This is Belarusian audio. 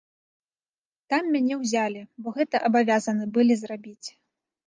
Там мяне ўзялі, бо гэта абавязаны былі зрабіць.